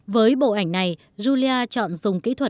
với bộ ảnh này julia chọn dùng kỹ thuật